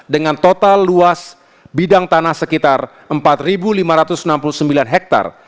dengan total luas bidang tanah sekitar empat lima ratus enam puluh sembilan hektare